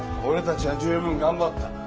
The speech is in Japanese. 俺たちは十分頑張った。